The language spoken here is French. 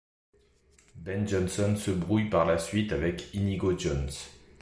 Ben Jonson se brouille par la suite avec Inigo Jones.